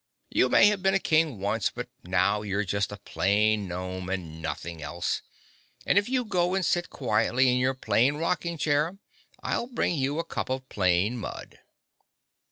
You may have been a King once, but now you're just a plain gnome and nothing else, and if you go and sit quietly in your plain rocking chair I'll bring you a cup of plain mud."